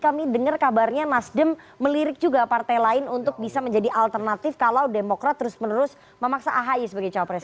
kami dengar kabarnya nasdem melirik juga partai lain untuk bisa menjadi alternatif kalau demokrat terus menerus memaksa ahy sebagai cawapres